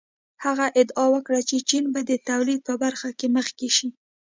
هغه ادعا وکړه چې چین به د تولید په برخه کې مخکې شي.